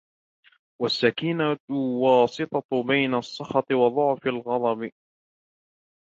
وَالسَّكِينَةُ وَاسِطَةٌ بَيْنَ السَّخَطِ وَضَعْفِ الْغَضَبِ